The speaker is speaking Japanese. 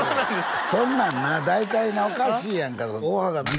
「そんなんな大体なおかしいやんか」